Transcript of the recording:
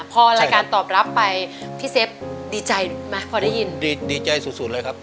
พอรายการตอบรับไปพี่เซฟดีใจไหมพอได้ยินดีดีใจสุดสุดเลยครับ